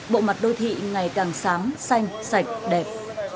bộ mặt đô thị ngày càng sáng xanh sạch đẹp